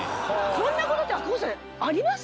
こんなことって赤星さんあります？